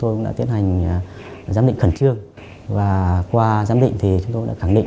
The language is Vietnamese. tìm thích chiếc chìa khóa tìm thính trong người đàn nhạc